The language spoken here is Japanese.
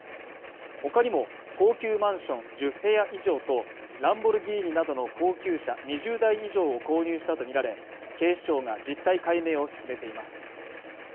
他にも高級マンション１０部屋以上と、ランボルギーニなどの高級車２０台以上を購入したとみられ、警視庁が実態解明を進めています。